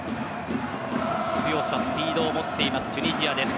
強さ、スピードを持っていますチュニジアです。